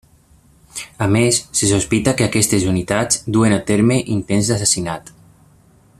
A més, se sospita que aquestes unitats duen a terme intents d'assassinat.